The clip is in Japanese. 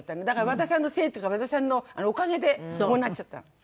だから和田さんのせいというか和田さんのおかげでこうなっちゃったの。